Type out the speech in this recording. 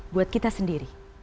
buat kita sendiri